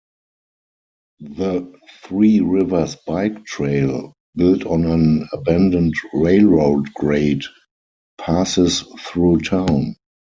The Three Rivers Bike Trail, built on an abandoned railroad grade, passes through town.